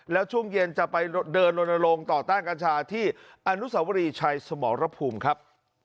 แล้วช่วงเย็นจะไปเดินลนลงต่อต้านกัญชาที่อนุสาวรีชัยสมรภูมิครับ